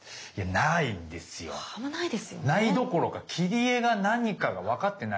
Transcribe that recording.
ないどころか切り絵が何かが分かってない。